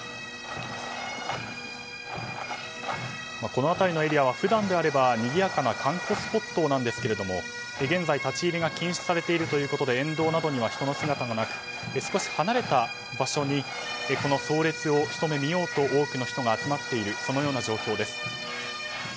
この辺りのエリアは普段であればにぎやかな観光スポットなんですけれども現在、立ち入りが禁止されているということで沿道には人の姿はなく、少し離れた場所にこの葬列をひと目見ようと多くの人が集まっている状況です。